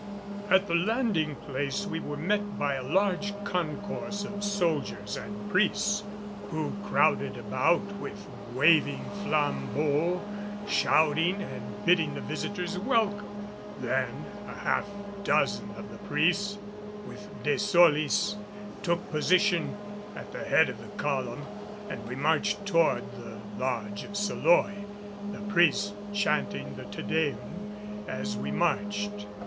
At the landing place we were met by a large concourse of soldiers and priests, who crowded about with waving flambeaux, shouting and bidding the victors welcome. Then a half dozen of the priests, with De Solis, took position at the head of the column and we marched toward the Lodge of Seloy, the priests chanting the Te Deum as we marched.